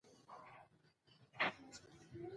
د دغه غورځنګ ډېری غړي په فلسطین کې نه دي زېږېدلي.